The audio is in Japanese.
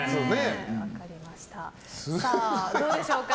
どうでしょうか？